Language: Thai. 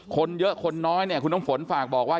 คนเยอะคนน้อยคุณน้ำฝนต้องฝากบอกว่า